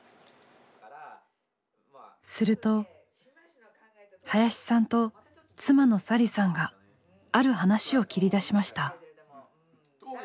すると林さんと妻の佐理さんがある話を切り出しました。